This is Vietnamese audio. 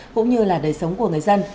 cũng như là đời sống của người dân